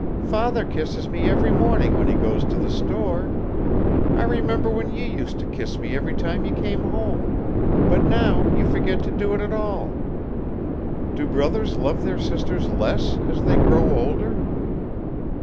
Father kisses me every morning when he goes to the store. I remember when you used to kiss me every time you came home, but now you forget to do it at all. Do brothers love their sisters less as they grow older?"